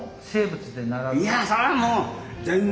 いやそれはもう全然！